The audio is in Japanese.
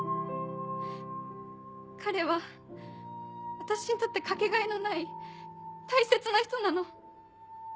彼は私にとってかけがえのない大切な人なの。